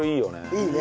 いいね。